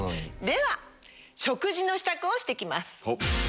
では食事の支度をして来ます。